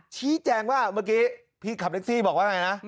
ชี้แจงว่าแม่งกี้พี่ขำนักที่บอกอะไรใช่ไหม